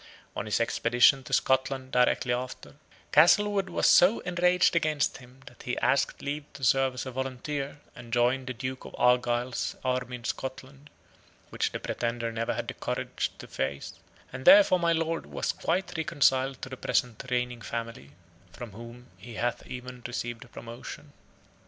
On his expedition to Scotland directly after, Castlewood was so enraged against him that he asked leave to serve as a volunteer, and join the Duke of Argyle's army in Scotland, which the Pretender never had the courage to face; and thenceforth my Lord was quite reconciled to the present reigning family, from whom he hath even received promotion.